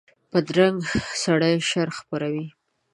بدرنګه سړي شر خپروي